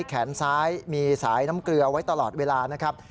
แขนซ้ายมีสายน้ำเกลือไว้ตลอดเวลานะครับ